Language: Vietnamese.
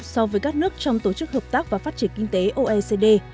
so với các nước trong tổ chức hợp tác và phát triển kinh tế oecd